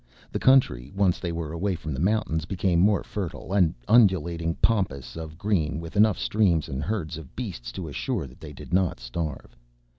The country, once they were away from the mountains, became more fertile, an undulating pampas of grass with enough streams and herds of beasts to assure that they did not starve.